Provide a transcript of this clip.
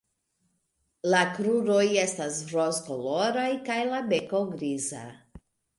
La kruroj estas rozkoloraj kaj la beko griza.